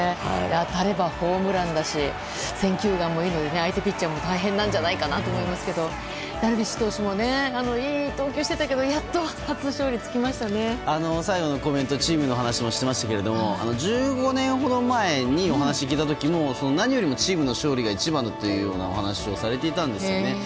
当たればホームランだし選球眼もいいので相手ピッチャーも大変なんじゃないかと思いますけどダルビッシュ投手もいい投球をしていましたけど最後のコメントチームの勝利の話をしていましたが１５年ほど前にお話を聞いた時も何よりもチームの勝利が一番だと話していたんですね。